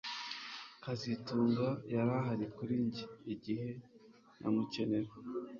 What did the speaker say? kazitunga yari ahari kuri njye igihe namukenera